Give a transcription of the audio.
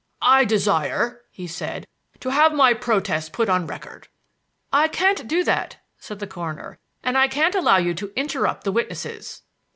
"I desire," he said, "to have my protest put on record." "I can't do that," said the coroner, "and I can't allow you to interrupt the witnesses."